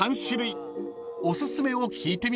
［おすすめを聞いてみましょう］